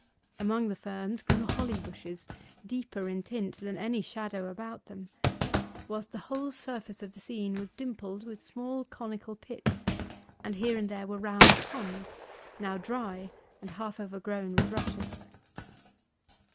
Among the ferns grew holly bushes deeper in tint than any shadow about them, whilst the whole surface of the scene was dimpled with small conical pits, and here and there were round ponds, now dry, and half overgrown with rushes.